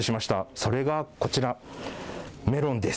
それがこちら、メロンです。